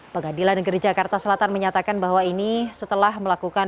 pengadilan negeri jakarta selatan menyatakan bahwa ini setelah melakukan